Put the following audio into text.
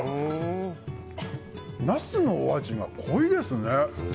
ナスのお味が濃いですね。